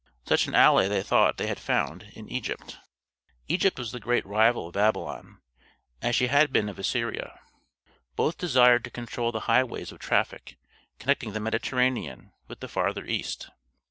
Such an ally they thought they had found in Egypt. Egypt was the great rival of Babylon, as she had been of Assyria. Both desired to control the highways of traffic connecting the Mediterranean with the farther East.